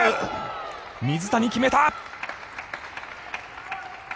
水谷、決めた！